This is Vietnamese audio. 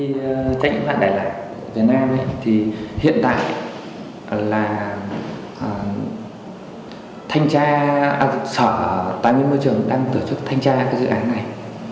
các bạn đại lạc việt nam thì hiện tại là sở tài nguyên môi trường đang tổ chức thanh tra cái dự án này